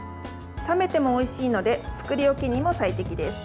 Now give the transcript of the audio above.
冷めてもおいしいので作り置きにも最適です。